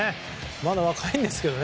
まだ若いんですけどね。